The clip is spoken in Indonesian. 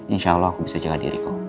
insya allah aku bisa jaga diri kum